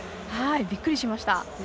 びっくりしました。